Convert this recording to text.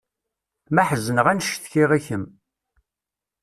Ma ḥezneɣ ad n-cetkiɣ i kemm.